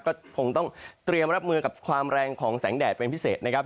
ก็คงต้องเตรียมรับมือกับความแรงของแสงแดดเป็นพิเศษนะครับ